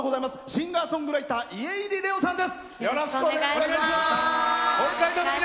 シンガーソングライター家入レオさんです。